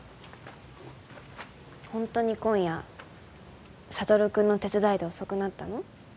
本当に今夜智君の手伝いで遅くなったの？